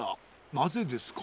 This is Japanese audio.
なぜですか？